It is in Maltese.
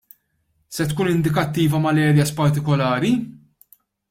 Se tkun indikattiva mal-areas partikolari?